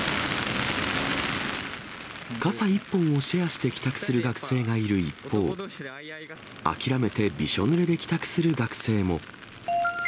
傘一本をシェアして帰宅する学生がいる一方、諦めてびしょぬれで帰宅する学生も。